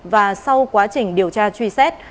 và sau quá trình điều tra truy xét